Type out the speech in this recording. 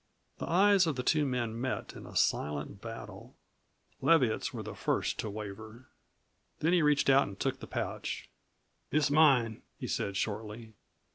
The eyes of the two men met in a silent battle. Leviatt's were the first to waver. Then he reached out and took the pouch. "It's mine," he said shortly.